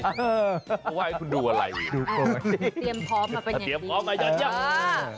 เตรียมพร้อมมาเป็นอย่างดี